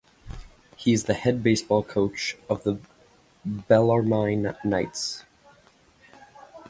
He is the head baseball coach of the Bellarmine Knights.